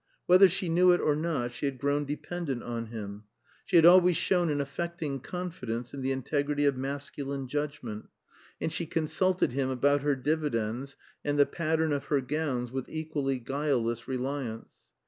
Whether she knew it or not, she had grown dependent on him. She had always shown an affecting confidence in the integrity of masculine judgment, and she consulted him about her dividends and the pattern of her gowns with equally guileless reliance.